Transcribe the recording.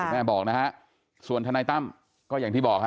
แม่บอกนะฮะส่วนทนายตั้มก็อย่างที่บอกฮะ